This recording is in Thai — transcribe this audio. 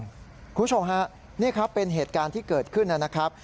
คุณผู้ชมฮะนี่ครับเป็นเหตุการณ์ที่เกิดขึ้นนะครับ